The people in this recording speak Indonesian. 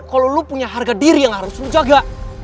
kalo lo punya harga diri yang harus lo jaga